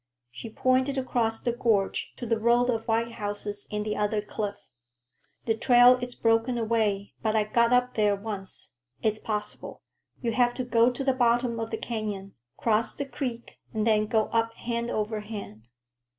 She pointed across the gorge to the row of white houses in the other cliff. "The trail is broken away, but I got up there once. It's possible. You have to go to the bottom of the canyon, cross the creek, and then go up hand over hand."